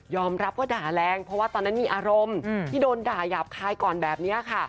รับว่าด่าแรงเพราะว่าตอนนั้นมีอารมณ์ที่โดนด่าหยาบคายก่อนแบบนี้ค่ะ